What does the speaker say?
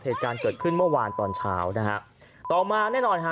เหตุการณ์เกิดขึ้นเมื่อวานตอนเช้านะฮะต่อมาแน่นอนฮะ